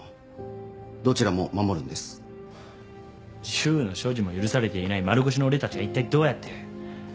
銃の所持も許されていない丸腰の俺たちがいったいどうやって？